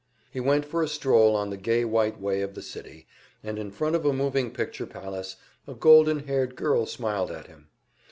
He went for a stroll on the Gay White Way of the city, and in front of a moving picture palace a golden haired girl smiled at him.